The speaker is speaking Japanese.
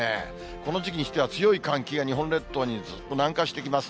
この時期にしては強い寒気が、日本列島にずっと南下してきます。